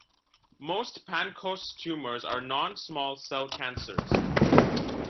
Most Pancoast tumors are non-small cell cancers.